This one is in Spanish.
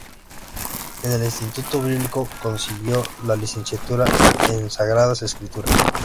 En el Instituto Bíblico consiguió la licenciatura en Sagradas Escritura.